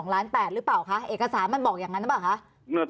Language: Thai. ล้าน๘หรือเปล่าคะเอกสารมันบอกอย่างนั้นหรือเปล่าคะ